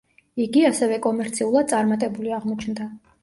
იგი, ასევე კომერციულად წარმატებული აღმოჩნდა.